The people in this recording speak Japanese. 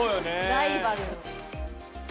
ライバル。